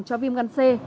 cho viêm gan c